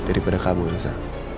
daripada kamu elsa